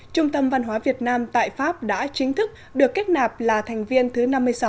trung tâm văn hóa việt nam tại pháp đã chính thức được kết nạp là thành viên thứ năm mươi sáu